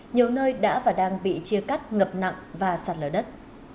nhiều nơi đã và đang bị chia cắt ngập nặng và sạt lở đất